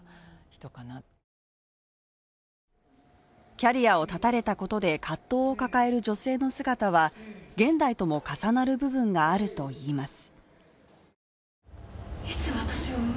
キャリアを絶たれたことで葛藤を抱える女性の姿は現代とも重なる部分があるといいます。